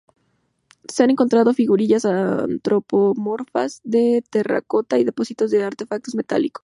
Se han encontrado figurillas antropomorfas de terracota y depósitos de artefactos metálicos.